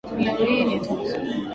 Pilau hii ni tamu sana.